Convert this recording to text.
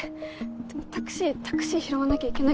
でもタクシータクシー拾わなきゃいけない。